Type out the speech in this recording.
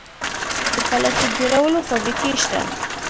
د پلاستیک جوړولو فابریکې شته